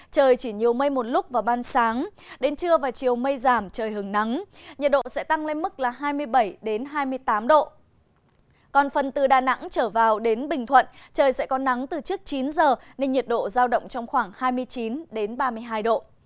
trời chỉ còn phần từ đà nẵng trở vào đến bình thuận trời sẽ có nắng từ trước chín giờ nên nhiệt độ giao động trong khoảng hai mươi chín ba mươi hai độ